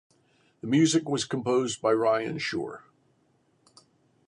The music was composed by Ryan Shore.